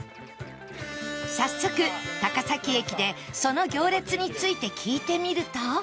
早速高崎駅でその行列について聞いてみると